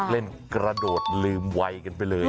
เล่นกระโดดเหลือไวกันไปเลยอ่ะ